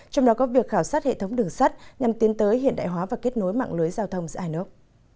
trong đó có việc khảo sát hệ thống đường sắt nhằm tiến tới hiện đại hóa và kết nối mạng lưới giao thông giữa hai nước